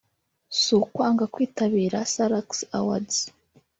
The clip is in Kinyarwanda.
Si ukwanga kwitabira Salax Awards